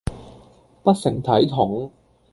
不成體統